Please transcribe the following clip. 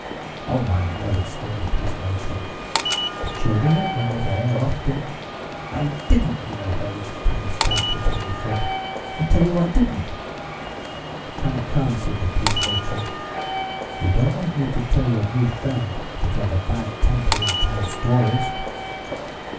"Oh, my, no!" exclaimed the police matron. "Children that run away are often " "I didn't run away!" Tiny stamped her tiny foot. "I tell you I didn't." "Come, come," said the police matron, "you don't want me to tell your new friend that you have a bad temper and tell stories."